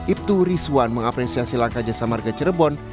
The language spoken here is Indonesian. ibtu rizwan mengapresiasi langkah jasa marga cirebon